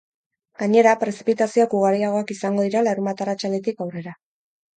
Gainera, prezipitazioak ugariagoak izango dira larunbat arratsaldetik aurrera.